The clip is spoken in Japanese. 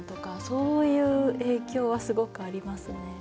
そういう影響はすごくありますね。